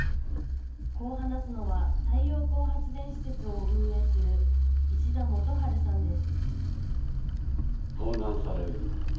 こう話すのは太陽光発電施設を運営する石田幹治さんです。